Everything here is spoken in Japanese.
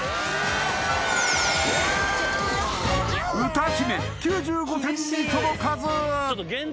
歌姫９５点に届かず！